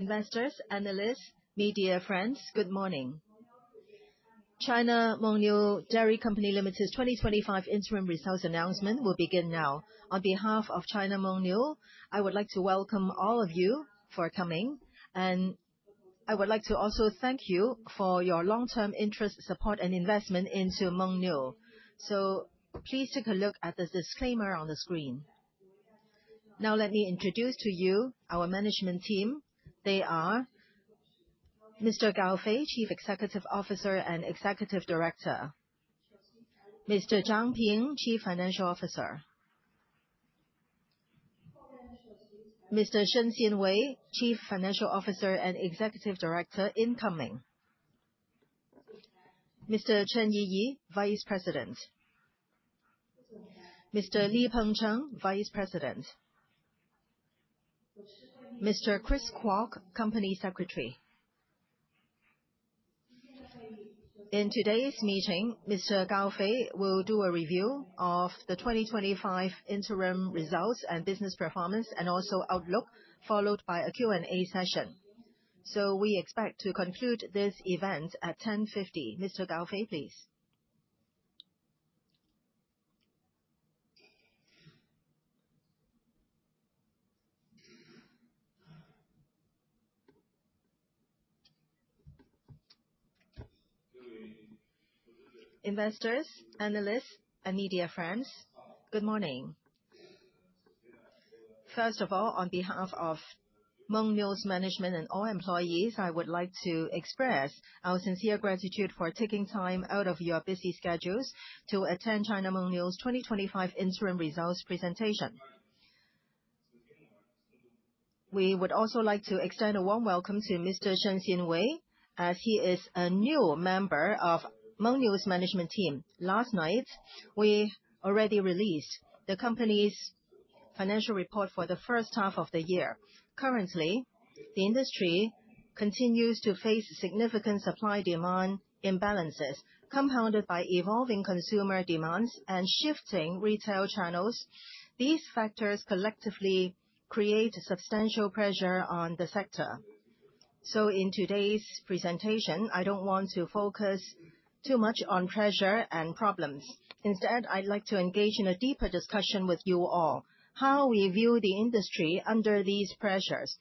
Investors, analysts, media friends, good morning. China Mengniu Dairy Company Limited's 2025 Interim Results Announcement will begin now. On behalf of China Mengniu, I would like to welcome all of you for coming, and I would like to also thank you for your long-term interest, support, and investment into Mengniu. Please take a look at the disclaimer on the screen. Now, let me introduce to you our management team. They are: Mr. Gao Fei, Chief Executive Officer and Executive Director; Mr. Zhang Ping, Chief Financial Officer; Mr. Shen Xianwei, Chief Financial Officer and Executive Director, incoming; Mr. Chen Yiyi, Vice President; Mr. Li Pengcheng, Vice President; Mr. Chris Kwok, Company Secretary. In today's meeting, Mr. Gao Fei will do a review of the 2025 interim results and business performance, and also outlook, followed by a Q&A session. We expect to conclude this event at 10:50. Mr. Gao Fei, please. Investors, analysts, and media friends, good morning. First of all, on behalf of Mengniu's management and all employees, I would like to express our sincere gratitude for taking time out of your busy schedules to attend China Mengniu's 2025 Interim Results Presentation. We would also like to extend a warm welcome to Mr. Shen Xinwen, as he is a new member of Mengniu's management team. Last night, we already released the company's financial report for the first half of the year. Currently, the industry continues to face significant supply-demand imbalances, compounded by evolving consumer demands and shifting retail channels. These factors collectively create substantial pressure on the sector. In today's presentation, I don't want to focus too much on pressure and problems. Instead, I'd like to engage in a deeper discussion with you all: how we view the industry under these pressures,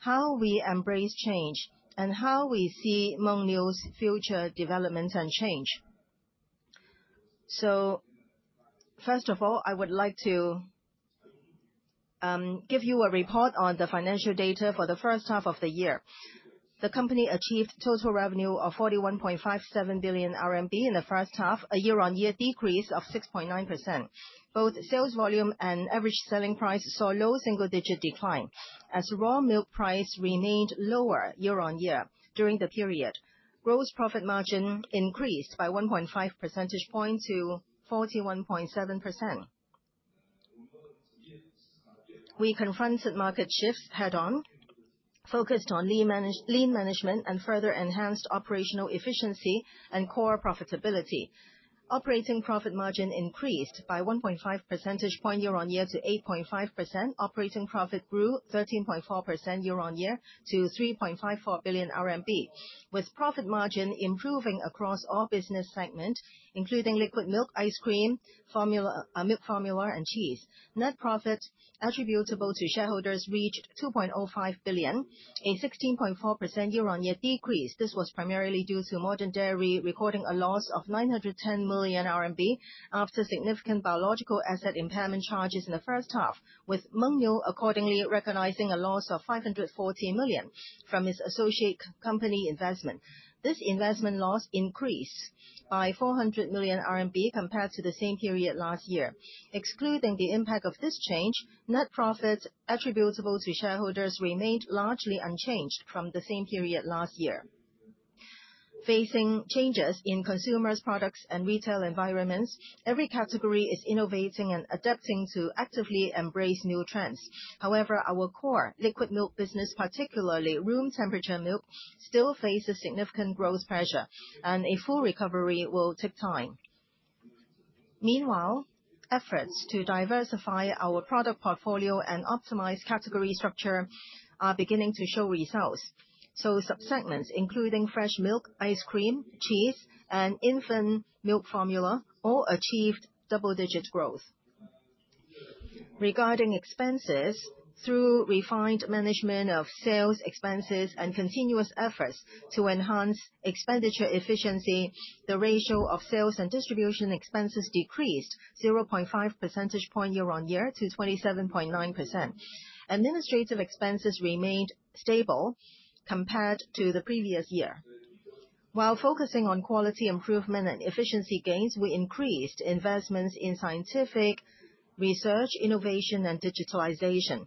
how we embrace change, and how we see Mengniu's future developments and change. First of all, I would like to give you a report on the financial data for the first half of the year. The company achieved a total revenue of 41.57 billion RMB in the first half, a year-on-year decrease of 6.9%. Both sales volume and average selling price saw low single-digit declines, as raw milk price remained lower year-on-year during the period. Gross profit margin increased by 1.5 percentage points to 41.7%. We confronted market shifts head-on, focused on lean management and further enhanced operational efficiency and core profitability. Operating profit margin increased by 1.5 percentage points year-on-year to 8.5%. Operating profit grew 13.4% year-on-year to 3.54 billion RMB, with profit margin improving across all business segments, including liquid milk, ice cream, milk formula, and cheese. Net profit attributable to shareholders reached 2.05 billion, a 16.4% year-on-year decrease. This was primarily due to Modern Dairy recording a loss of 910 million RMB after significant biological asset impairment charges in the first half, with Mengniu accordingly recognizing a loss of 540 million from its associate company investment. This investment loss increased by 400 million RMB compared to the same period last year. Excluding the impact of this change, net profits attributable to shareholders remained largely unchanged from the same period last year. Facing changes in consumers, products, and retail environments, every category is innovating and adapting to actively embrace new trends. However, our core liquid milk business, particularly room-temperature milk, still faces significant growth pressure, and a full recovery will take time. Meanwhile, efforts to diversify our product portfolio and optimize category structure are beginning to show results. Subsegments, including fresh milk, ice cream, cheese, and infant milk formula, all achieved double-digit growth. Regarding expenses, through refined management of sales expenses and continuous efforts to enhance expenditure efficiency, the ratio of sales and distribution expenses decreased 0.5 percentage points year-on-year to 27.9%. Administrative expenses remained stable compared to the previous year. While focusing on quality improvement and efficiency gains, we increased investments in scientific research, innovation, and digitalization.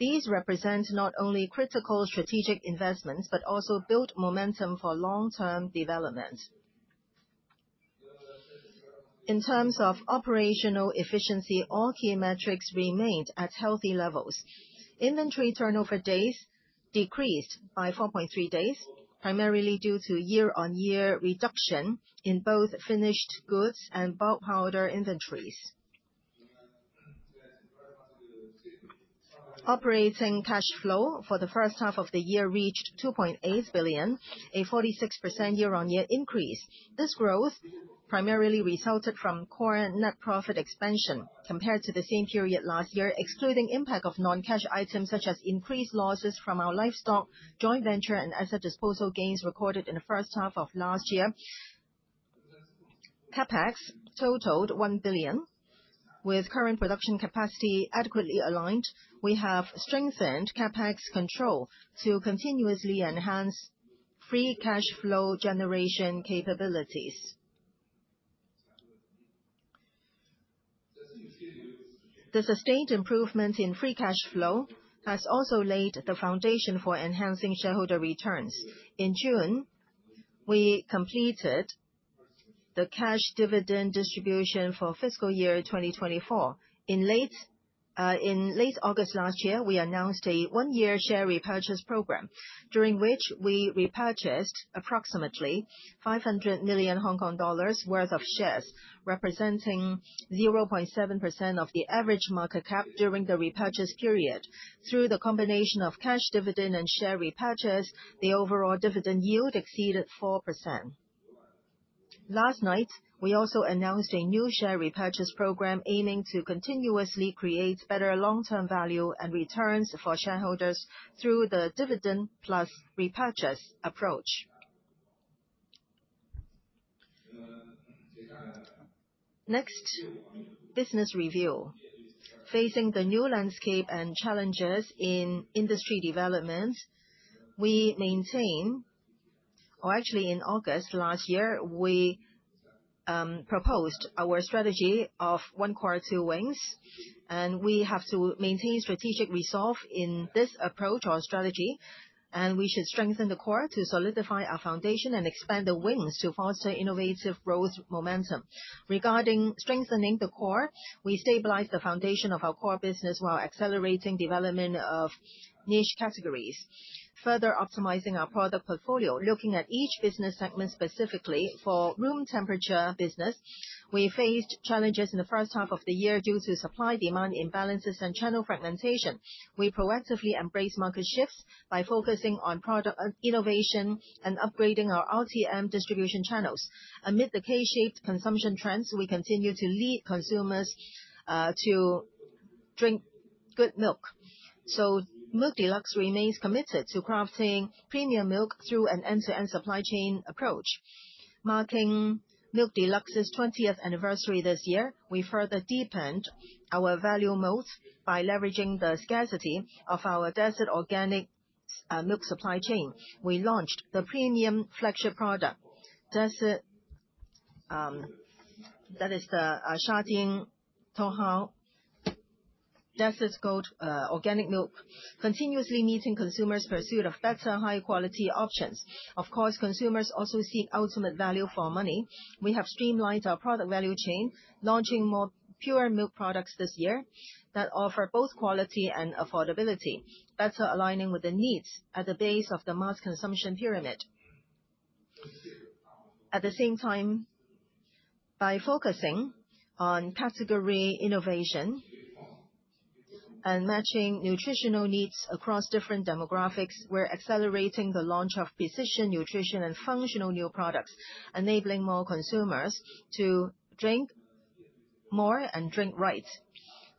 These represent not only critical strategic investments but also built momentum for long-term development. In terms of operational efficiency, all key metrics remained at healthy levels. Inventory turnover days decreased by 4.3 days, primarily due to year-on-year reduction in both finished goods and bulk powder inventories. Operating cash flow for the first half of the year reached RMB 2.8 billion, a 46% year-on-year increase. This growth primarily resulted from core net profit expansion compared to the same period last year, excluding the impact of non-cash items such as increased losses from our livestock, joint venture, and asset disposal gains recorded in the first half of last year. CapEx totaled RMB 1 billion. With current production capacity adequately aligned, we have strengthened CapEx control to continuously enhance free cash flow generation capabilities. The sustained improvement in free cash flow has also laid the foundation for enhancing shareholder returns. In June, we completed the cash dividend distribution for fiscal year 2024. In late August last year, we announced a one-year share repurchase program, during which we repurchased approximately 500 million Hong Kong dollars worth of shares, representing 0.7% of the average market cap during the repurchase period. Through the combination of cash dividend and share repurchase, the overall dividend yield exceeded 4%. Last night, we also announced a new share repurchase program aiming to continuously create better long-term value and returns for shareholders through the dividend plus repurchase approach. Next, business review. Facing the new landscape and challenges in industry development, we maintain, or actually, in August last year, we proposed our strategy of one core, two wings, and we have to maintain strategic resolve in this approach or strategy, and we should strengthen the core to solidify our foundation and expand the wings to foster innovative growth momentum. Regarding strengthening the core, we stabilized the foundation of our core business while accelerating development of niche categories, further optimizing our product portfolio, looking at each business segment specifically. For room temperature business, we faced challenges in the first half of the year due to supply-demand imbalances and channel fragmentation. We proactively embraced market shifts by focusing on product innovation and upgrading our RTM distribution channels. Amid the K-shaped consumption trends, we continue to lead consumers to drink good milk. Milk Deluxe remains committed to crafting premium milk through an end-to-end supply chain approach. Marking Milk Deluxe's 20th anniversary this year, we further deepened our value moat by leveraging the scarcity of our desert organic milk supply chain. We launched the premium flagship product, that is the Shajin Tohoi. That's it called organic milk, continuously meeting consumers' pursuit of better, higher-quality options. Of course, consumers also see ultimate value for money. We have streamlined our product value chain, launching more pure milk products this year that offer both quality and affordability, better aligning with the needs at the base of the mass consumption pyramid. At the same time, by focusing on category innovation and matching nutritional needs across different demographics, we're accelerating the launch of precision nutrition and functional new products, enabling more consumers to drink more and drink right.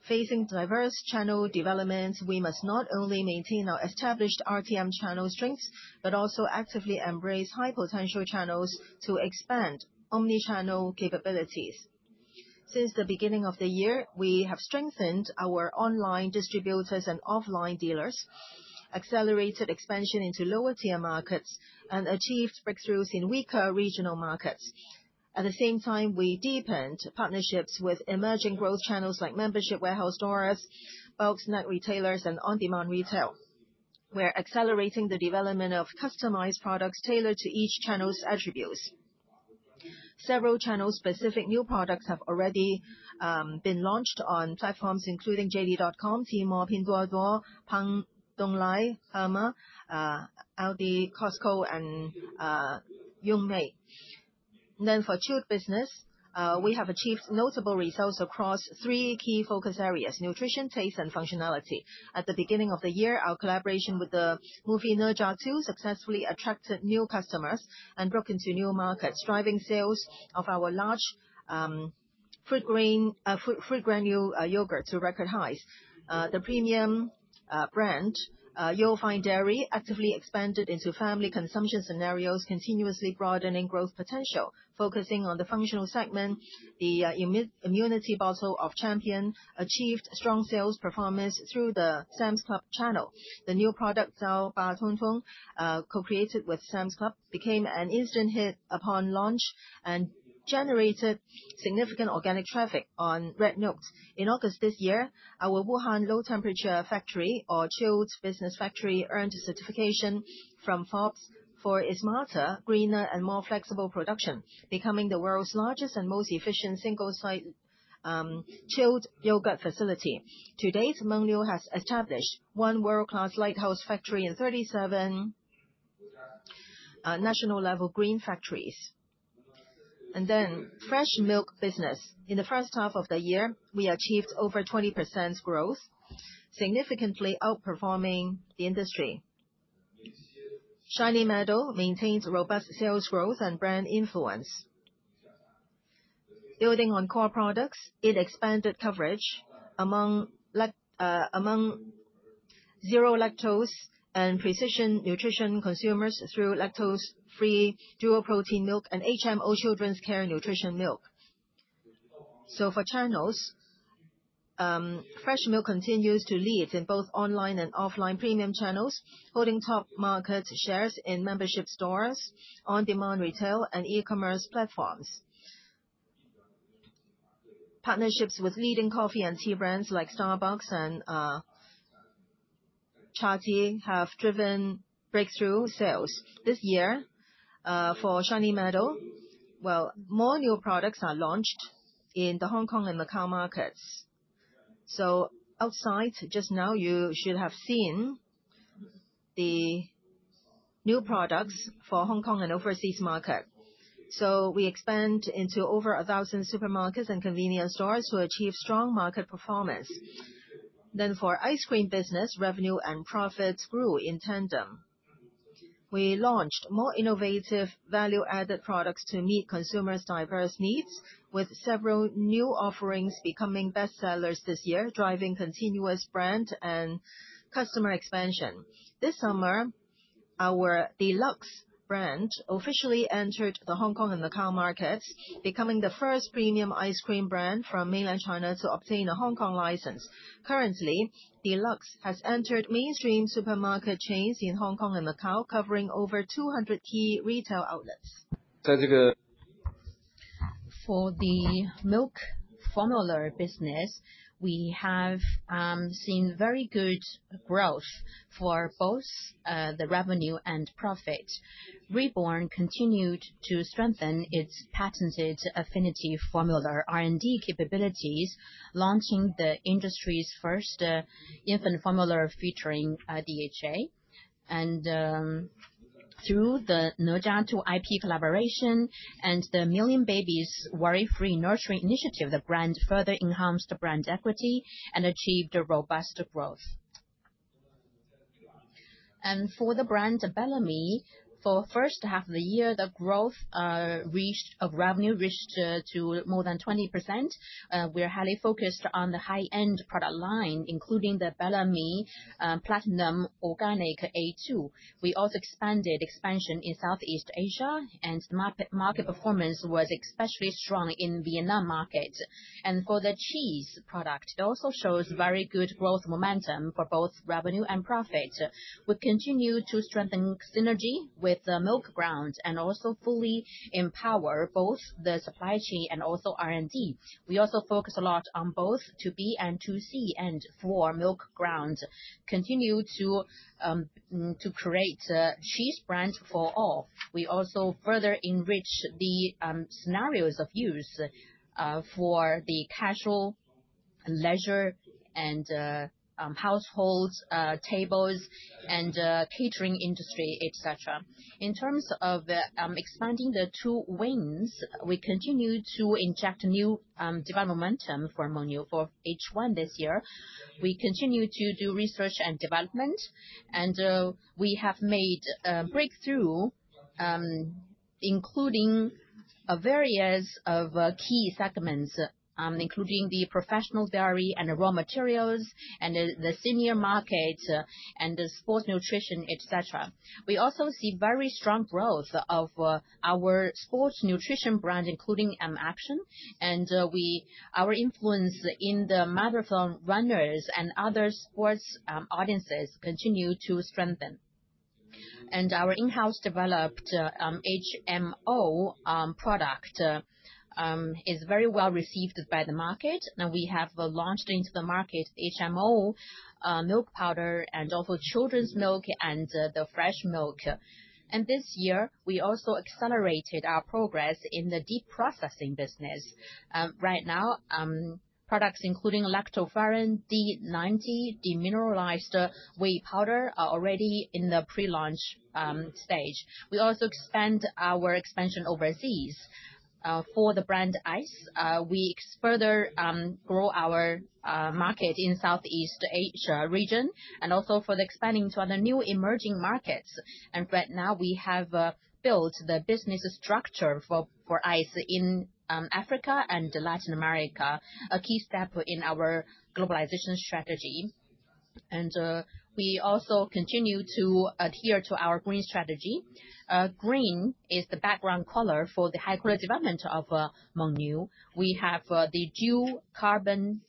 Facing diverse channel developments, we must not only maintain our established RTM channel strengths but also actively embrace high-potential channels to expand omnichannel capabilities. Since the beginning of the year, we have strengthened our online distributors and offline dealers, accelerated expansion into lower-tier markets, and achieved breakthroughs in weaker regional markets. At the same time, we deepened partnerships with emerging growth channels like membership warehouse stores, bulk snack retailers, and on-demand retail. We're accelerating the development of customized products tailored to each channel's attributes. Several channel-specific new products have already been launched on platforms, including JD.com, Tmall, Pinduoduo, Pangdonglai, Hema, Aldi, Costco, and Yonghui. For chilled business, we have achieved notable results across three key focus areas: nutrition, taste, and functionality. At the beginning of the year, our collaboration with the movie "Nurture 2" successfully attracted new customers and broke into new markets, driving sales of our large fruit granule yogurt to record highs. The premium brand, YO! FINE DIARY actively expanded into family consumption scenarios, continuously broadening growth potential. Focusing on the functional segment, the immunity bottle of Champion achieved strong sales performance through the Sam's Club channel. The new product Zhaoba Tongfeng, co-created with Sam's Club, became an instant hit upon launch and generated significant organic traffic on RedNote. In August this year, our Wuhan low-temperature factory, or chilled business factory, earned a certification from Forbes for its smarter, greener, and more flexible production, becoming the world's largest and most efficient single-site chilled yogurt facility. Today's Mengniu has established one world-class lighthouse factory and 37 national-level green factories. Next, fresh milk business. In the first half of the year, we achieved over 20% growth, significantly outperforming the industry. Shiny Metal maintains robust sales growth and brand influence. Building on core products, it expanded coverage among zero lactose and precision nutrition consumers through lactose-free dual-protein milk and HMO children's care nutrition milk. For channels, fresh milk continues to lead in both online and offline premium channels, holding top market shares in membership stores, on-demand retail, and e-commerce platforms. Partnerships with leading coffee and tea brands like Starbucks and Chatime have driven breakthrough sales. This year, for Shiny Meadow, more new products are launched in the Hong Kong and Macau markets. Outside just now, you should have seen the new products for Hong Kong and overseas markets. We expand into over 1,000 supermarkets and convenience stores to achieve strong market performance. For the ice cream business, revenue and profits grew in tandem. We launched more innovative value-added products to meet consumers' diverse needs, with several new offerings becoming bestsellers this year, driving continuous brand and customer expansion. This summer, our Deluxe brand officially entered the Hong Kong and Macau markets, becoming the first premium ice cream brand from mainland China to obtain a Hong Kong license. Currently, Deluxe has entered mainstream supermarket chains in Hong Kong and Macau, covering over 200 key retail outlets. For the milk formula business, we have seen very good growth for both the revenue and profits. Reborn continued to strengthen its patented affinity formula R&D capabilities, launching the industry's first infant formula featuring DHA. Through the Ne Zha 2 IP collaboration and the Million Babies Worry-Free Nursery initiative, the brand further enhanced brand equity and achieved robust growth. For the brand Bellamy, for the first half of the year, the growth of revenue reached more than 20%. We're highly focused on the high-end product line, including the Bellamy Platinum Organic A2. We also expanded in Southeast Asia, and market performance was especially strong in the Vietnam market. For the cheese product, it also shows very good growth momentum for both revenue and profits. We continue to strengthen synergy with Milkground and also fully empower both the supply chain and also R&D. We also focus a lot on both 2B and 2C, and for Milkground, continue to create cheese brands for all. We also further enrich the scenarios of use for the casual, leisure, and household tables, and catering industry, etc. In terms of expanding the two wings, we continue to inject new development momentum for Mengniu for H1 this year. We continue to do research and development, and we have made breakthroughs, including various key segments, including the professional dairy and raw materials, and the senior markets, and the sports nutrition, etc. We also see very strong growth of our sports nutrition brand, including M-ACTION, and our influence in the marathon runners and other sports audiences continues to strengthen. Our in-house developed HMO product is very well-received by the market. Now, we have launched into the market HMO milk powder and also children's milk and the fresh milk. This year, we also accelerated our progress in the deep processing business. Right now, products including lactoferrin D90, demineralized whey powder are already in the pre-launch stage. We also expand our expansion overseas for the brand ICE. We further grow our market in the Southeast Asia region and also for the expanding to other new emerging markets. Right now, we have built the business structure for ICE in Africa and Latin America, a key step in our globalization strategy. We also continue to adhere to our green strategy. Green is the background color for the high-quality development of Mengniu. We have the Dual Carbon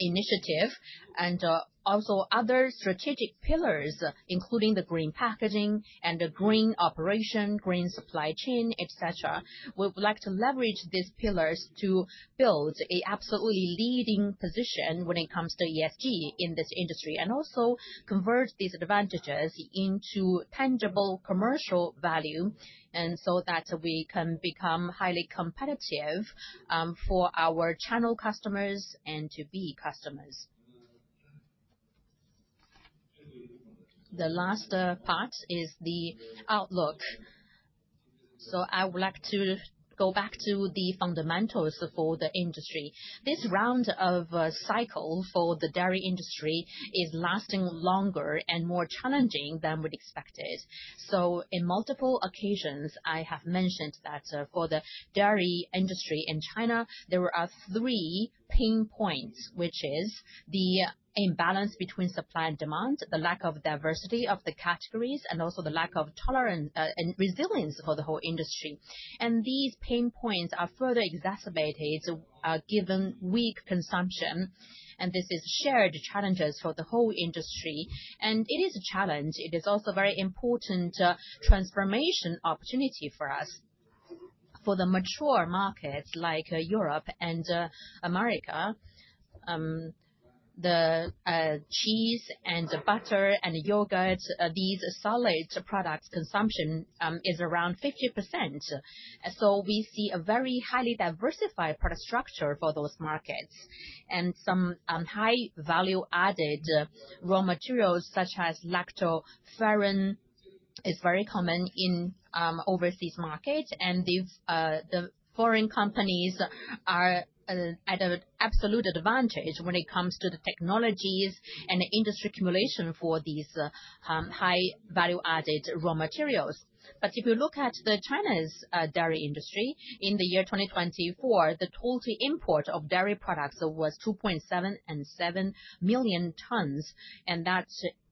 Initiative and also other strategic pillars, including the green packaging and the green operation, green supply chain, etc. We would like to leverage these pillars to build an absolutely leading position when it comes to ESG in this industry and also convert these advantages into tangible commercial value so that we can become highly competitive for our channel customers and to be customers. The last part is the outlook. I would like to go back to the fundamentals for the industry. This round of cycles for the dairy industry is lasting longer and more challenging than we'd expected. On multiple occasions, I have mentioned that for the dairy industry in China, there are three pain points, which are the imbalance between supply and demand, the lack of diversity of the categories, and also the lack of tolerance and resilience for the whole industry. These pain points are further exacerbated given weak consumption, and this is shared challenges for the whole industry. It is a challenge. It is also a very important transformation opportunity for us. For the mature markets like Europe and America, the cheese and the butter and yogurt, these solid products consumption is around 50%. We see a very highly diversified product structure for those markets. Some high value-added raw materials such as lactoferrin are very common in overseas markets, and the foreign companies are at an absolute advantage when it comes to the technologies and the industry accumulation for these high value-added raw materials. If you look at the Chinese dairy industry, in the year 2024, the total import of dairy products was 2.7 million tons and seven million tons, and that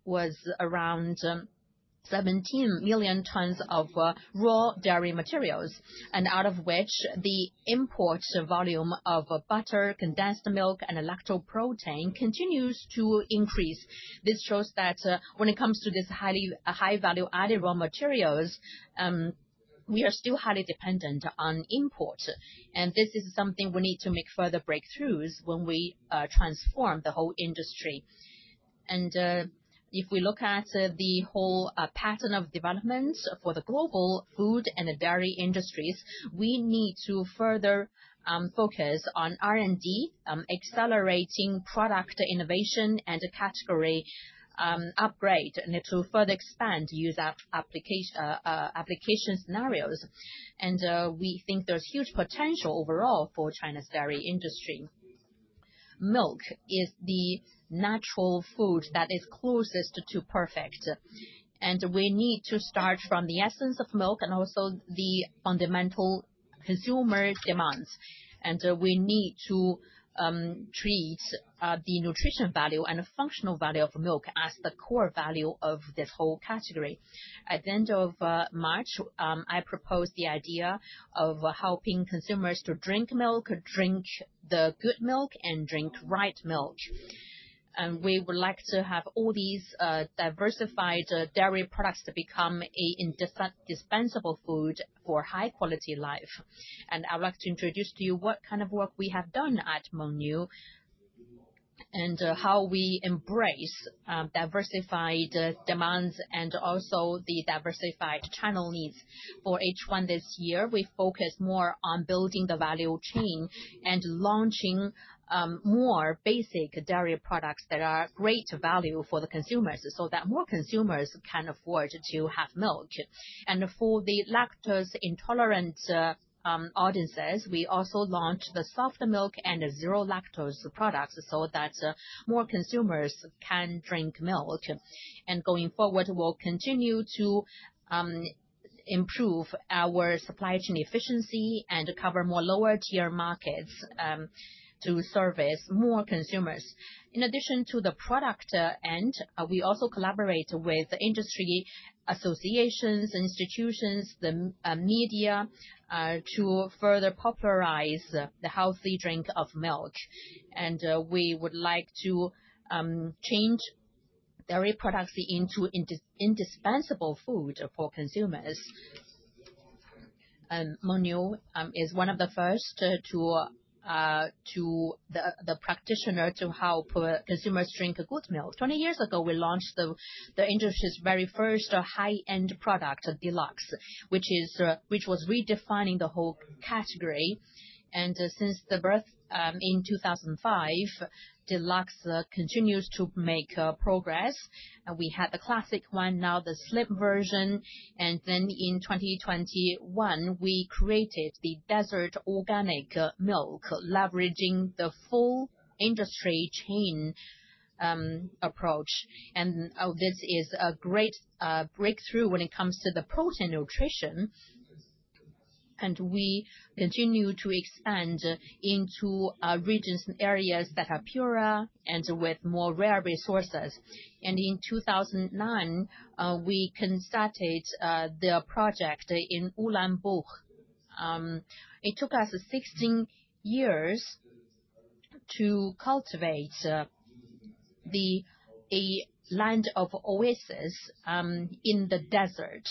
was around 17 million tons of raw dairy materials, out of which the import volume of butter, condensed milk, and lactose protein continues to increase. This shows that when it comes to these high value-added raw materials, we are still highly dependent on import. This is something we need to make further breakthroughs when we transform the whole industry. If we look at the whole pattern of development for the global food and dairy industries, we need to further focus on R&D, accelerating product innovation and category upgrade, and to further expand user application scenarios. We think there's huge potential overall for China's dairy industry. Milk is the natural food that is closest to perfect. We need to start from the essence of milk and also the fundamental consumer demands. We need to treat the nutrition value and the functional value of milk as the core value of this whole category. At the end of March, I proposed the idea of helping consumers to drink milk, drink the good milk, and drink right milk. We would like to have all these diversified dairy products to become an indispensable food for high-quality life. I would like to introduce to you what kind of work we have done at Mengniu and how we embrace diversified demands and also the diversified channel needs. For H1 this year, we focused more on building the value chain and launching more basic dairy products that are great value for the consumers so that more consumers can afford to have milk. For the lactose-intolerant audiences, we also launched the soft milk and zero lactose products so that more consumers can drink milk. Going forward, we'll continue to improve our supply chain efficiency and cover more lower-tier markets to service more consumers. In addition to the product end, we also collaborate with industry associations, institutions, and the media to further popularize the healthy drink of milk. We would like to change dairy products into indispensable food for consumers. Mengniu is one of the first practitioners to help consumers drink good milk. 20 years ago, we launched the industry's very first high-end product, Deluxe, which was redefining the whole category. Since its birth in 2005, Deluxe continues to make progress. We had the classic one, now the slim version. In 2021, we created the desert organic milk, leveraging the full industry chain approach. This is a great breakthrough when it comes to protein nutrition. We continue to expand into regions and areas that are purer and with more rare resources. In 2009, we started the project in Ulan Buh. It took us 16 years to cultivate a land of oasis in the desert.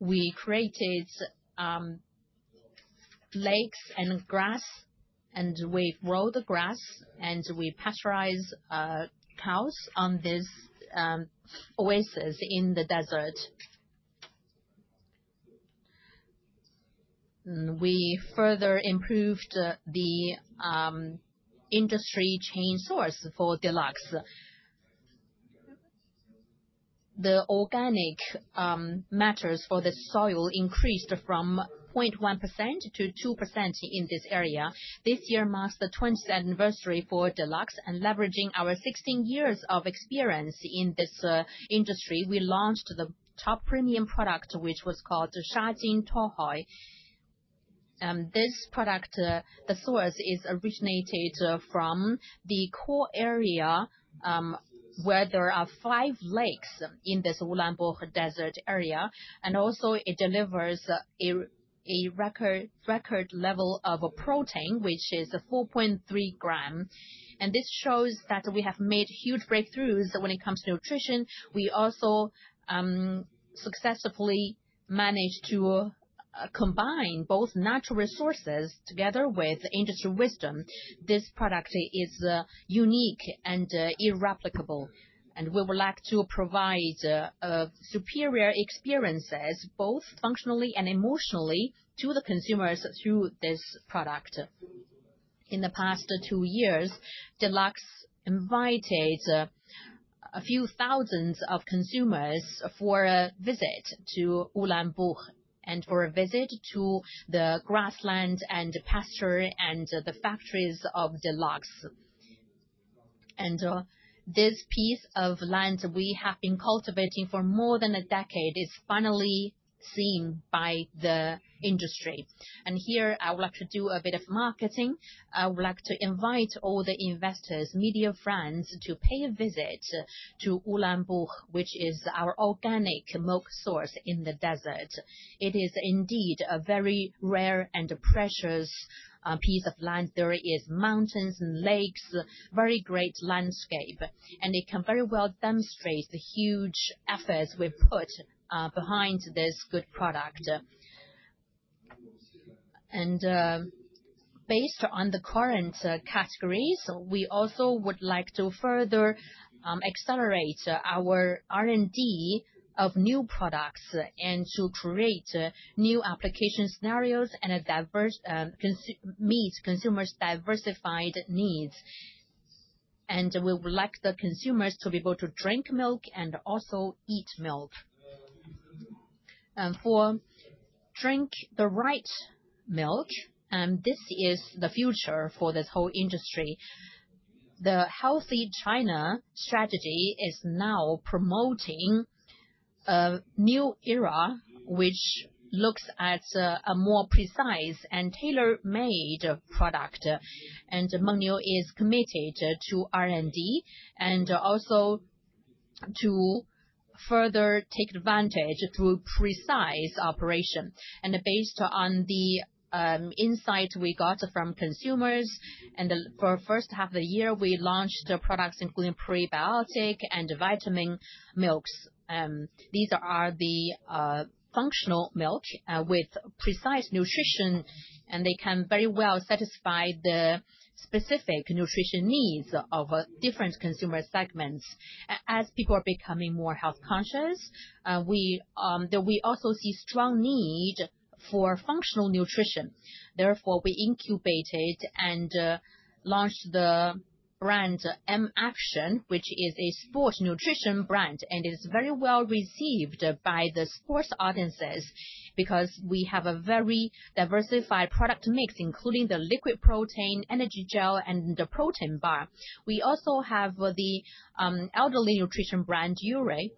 We created lakes and grass, and we grow the grass, and we pasture cows on this oasis in the desert. We further improved the industry chain source for Deluxe. The organic matters for the soil increased from 0.1%-2% in this area. This year marks the 20th anniversary for Deluxe. Leveraging our 16 years of experience in this industry, we launched the top premium product, which was called Shajin Tohoi. This product, the source originated from the core area where there are five lakes in this Ulan Buh Desert area. It delivers a record level of protein, which is 4.3 g. This shows that we have made huge breakthroughs when it comes to nutrition. We also successfully managed to combine both natural resources together with industry wisdom. This product is unique and irreplicable. We would like to provide superior experiences, both functionally and emotionally, to the consumers through this product. In the past two years, Deluxe invited a few thousand consumers for a visit to Ulan Buh and for a visit to the grassland and pasture and the factories of Deluxe. This piece of land we have been cultivating for more than a decade is finally seen by the industry. Here, I would like to do a bit of marketing. I would like to invite all the investors and media friends to pay a visit toUlan Buh, which is our organic milk source in the desert. It is indeed a very rare and precious piece of land. There are mountains and lakes, a very great landscape. It can very well demonstrate the huge efforts we put behind this good product. Based on the current categories, we also would like to further accelerate our R&D of new products and to create new application scenarios and meet consumers' diversified needs. We would like the consumers to be able to drink milk and also eat milk. For drink the right milk, this is the future for this whole industry. The Healthy China strategy is now promoting a new era, which looks at a more precise and tailor-made product. Mengniu is committed to R&D and also to further take advantage through precise operation. Based on the insights we got from consumers, for the first half of the year, we launched the products, including prebiotic and vitamin milks. These are the functional milks with precise nutrition, and they can very well satisfy the specific nutrition needs of different consumer segments. As people are becoming more health conscious, we also see a strong need for functional nutrition. Therefore, we incubated and launched the brand M-ACTION, which is a sports nutrition brand and is very well-received by the sports audiences because we have a very diversified product mix, including the liquid protein, energy gel, and the protein bar. We also have the elderly nutrition brand Yourui,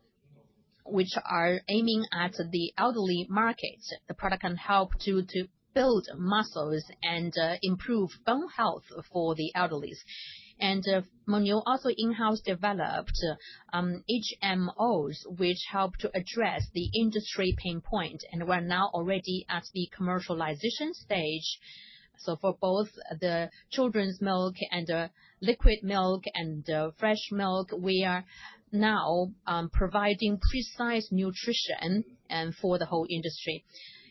which is aiming at the elderly markets. The product can help to build muscles and improve bone health for the elderlies. Mengniu also in-house developed HMO-enriched offerings, which help to address the industry pain points. We're now already at the commercialization stage. For both the children's milk and the liquid milk and the fresh milk, we are now providing precise nutrition for the whole industry.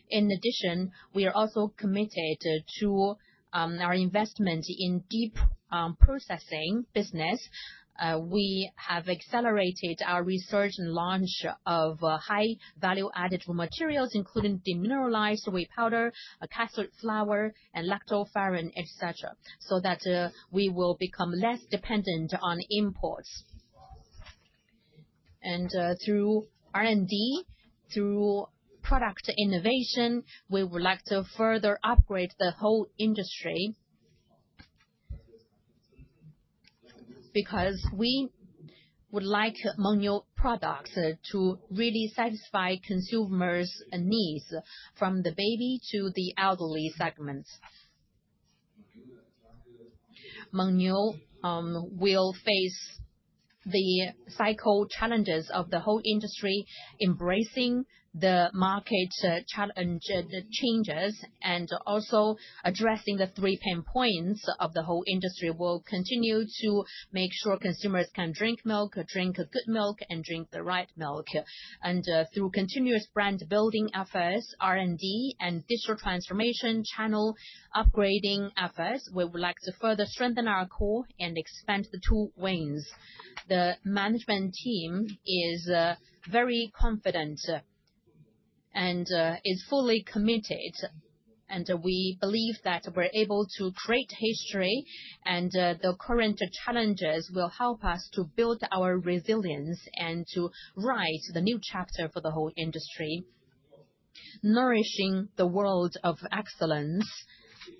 In addition, we are also committed to our investment in the deep processing business. We have accelerated our research and launch of high value-added raw materials, including demineralized whey powder, castor flour, and lactoferrin, etc., so that we will become less dependent on imports. Through R&D, through product innovation, we would like to further upgrade the whole industry because we would like Mengniu products to really satisfy consumers' needs from the baby to the elderly segments. Mengniu will face the cycle challenges of the whole industry, embracing the market challenges, the changes, and also addressing the three pain points of the whole industry. We will continue to make sure consumers can drink milk, drink good milk, and drink the right milk. Through continuous brand-building efforts, R&D, and digital transformation channel upgrading efforts, we would like to further strengthen our core and expand the two wings. The management team is very confident and is fully committed. We believe that we are able to create history, and the current challenges will help us to build our resilience and to write the new chapter for the whole industry. Nourishing the world of excellence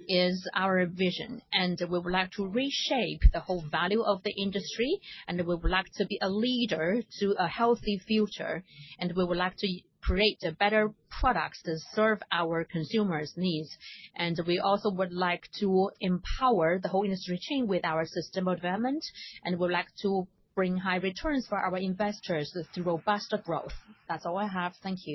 is our vision. We would like to reshape the whole value of the industry, and we would like to be a leader to a healthy future. We would like to create better products to serve our consumers' needs. We also would like to empower the whole industry chain with our system of development, and we would like to bring high returns for our investors through robust growth. That's all I have. Thank you.